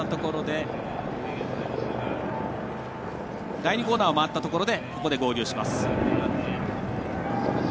第２コーナーを回ったところで合流します。